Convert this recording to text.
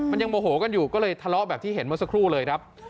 มันยังโมโหกันอยู่ก็เลยทะเลาะแบบที่เห็นเมื่อสักครู่เลยครับ